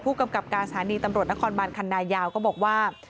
กำกับการสถานีตำรวจนครบานคันนายาวก็บอกว่า